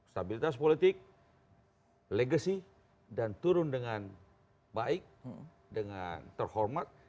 stabilitas politik legacy dan turun dengan baik dengan terhormat